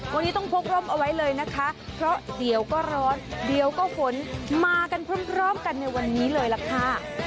วันนี้ต้องพกร่มเอาไว้เลยนะคะเพราะเดี๋ยวก็ร้อนเดี๋ยวก็ฝนมากันพร้อมกันในวันนี้เลยล่ะค่ะ